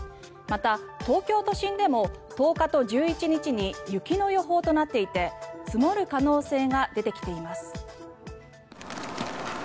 また、東京都心でも１０日と１１日に雪の予報となっていて積もる可能性が出てきています。